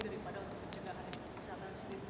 daripada untuk pencegahan kesehatan sendiri